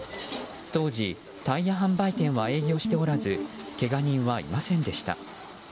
当時、タイヤ販売店は営業しておらずけが人はいませんでした。